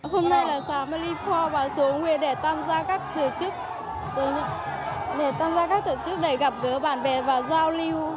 hôm nay là xã malipho và số huyện để tham gia các thử chức để gặp gỡ bạn bè và giao lưu